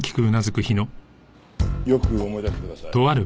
よく思い出してください。